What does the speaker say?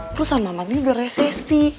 perusahaan mama ini udah resesi